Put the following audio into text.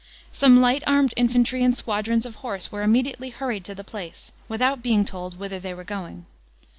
Some light armed infantry and squadrons of horse were immediately hurried to the place, without being told whither they were going.